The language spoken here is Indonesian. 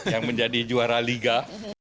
yang menjadi juara liga